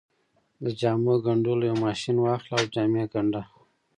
د جامو ګنډلو يو ماشين واخله او جامې ګنډه.